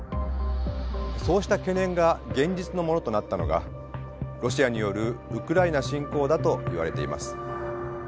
そうした懸念が現実のものとなったのがロシアによるウクライナ侵攻だといわれています。